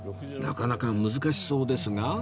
なかなか難しそうですが